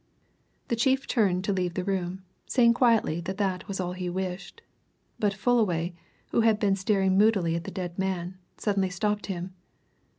The chief turned to leave the room, saying quietly that that was all he wished. But Fullaway, who had been staring moodily at the dead man, suddenly stopped him.